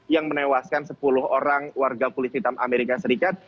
yang menewaskan sepuluh orang warga kulit hitam amerika serikat